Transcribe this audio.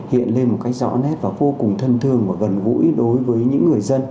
hiện lên một cách rõ nét và vô cùng thân thương và gần gũi đối với những người dân